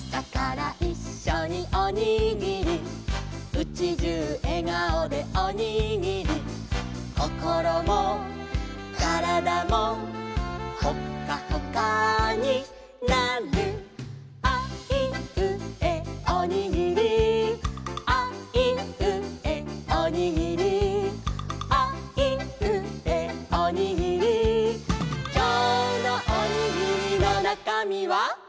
「うちじゅうえがおでおにぎり」「こころもからだも」「ホッカホカになる」「あいうえおにぎり」「あいうえおにぎり」「あいうえおにぎり」「きょうのおにぎりのなかみは？」